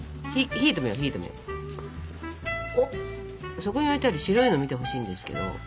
そこに置いてある白いの見てほしいんですけど。